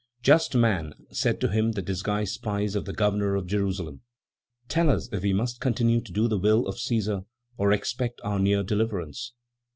"Just man," said to him the disguised spies of the Governor of Jerusalem, "tell us if we must continue to do the will of Cæsar, or expect our near deliverance?"